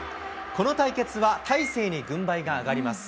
この対決は大勢に軍配が上がります。